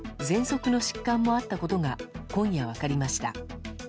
ぜんそくの疾患もあったことが今夜、分かりました。